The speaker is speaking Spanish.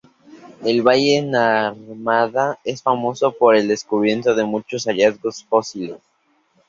El valle de Narmada es famoso por el descubrimiento de muchos hallazgos fósiles.